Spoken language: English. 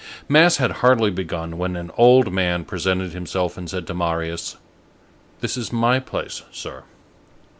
Mass had hardly begun when an old man presented himself and said to Marius:— "This is my place, sir."